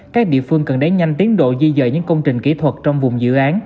các địa phương cần đẩy nhanh tiến độ di dời những công trình kỹ thuật trong vùng dự án